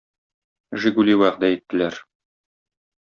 Жигули вәгъдә иттеләр.